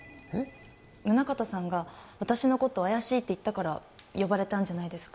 「宗形さんが私の事を怪しいって言ったから呼ばれたんじゃないですか？」